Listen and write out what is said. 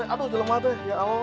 aduh jelang banget ya